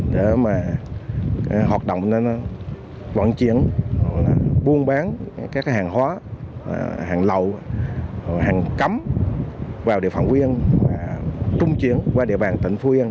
để mà hoạt động nên vận chuyển buôn bán các hàng hóa hàng lậu hàng cắm vào địa phòng quyên trung chuyển qua địa bàn tỉnh phú yên